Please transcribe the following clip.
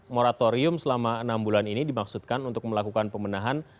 moratorium selama enam bulan ini dimaksudkan untuk melakukan pemenahan